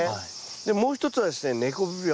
でもう一つはですね根こぶ病。